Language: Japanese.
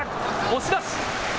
押し出し。